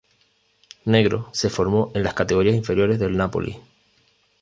Negro se formó en las categorías inferiores del Napoli.